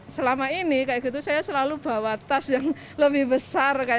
selama ini saya selalu bawa tas yang lebih besar